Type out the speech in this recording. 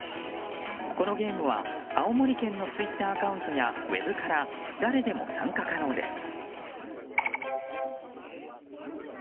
このゲームは青森県のツイッターアカウントやウェブから誰でも参加可能です。